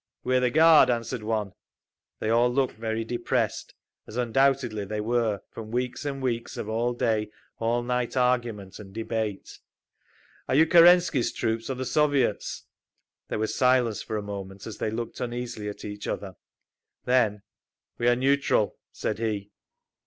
"We are the guard," answered one. They all looked very depressed, as undoubtedly they were, from weeks and weeks of all day all night argument and debate. "Are you Kerensky's troops, or the Soviets'?" There was silence for a moment, as they looked uneasily at each other. Then, "We are neutral," said he.